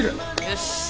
よし！